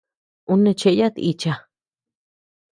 Ú neʼë cheʼe yata ícha.